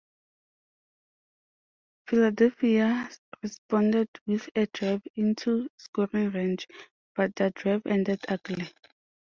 Philadelphia responded with a drive into scoring range, but their drive ended ugly.